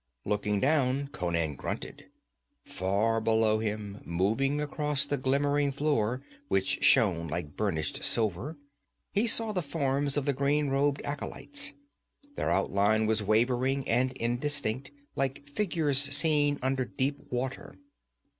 Looking down, Conan grunted. Far below him, moving across the glimmering floor, which shone like burnished silver, he saw the forms of the green robed acolytes. Their outline was wavering and indistinct, like figures seen under deep water.